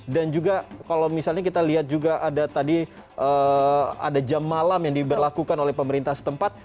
dan juga kalau misalnya kita lihat juga ada tadi ada jam malam yang diberlakukan oleh pemerintah setempat